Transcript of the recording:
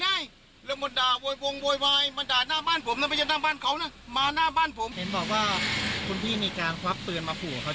เห็นบอกว่าคุณพี่มีการควับปืนมาผัวเขาจริงไหม